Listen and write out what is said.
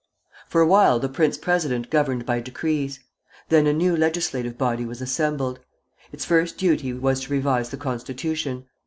For a while the prince president governed by decrees; then a new legislative body was assembled. Its first duty was to revise the constitution.